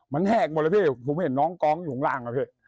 มันแห้กหมดเลยผมไม่เห็นน้องกองอยู่ข้างล่าง